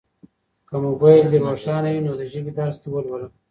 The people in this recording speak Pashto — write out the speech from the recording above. که موبایل دي روښانه وي نو د ژبې درس دي ولوله.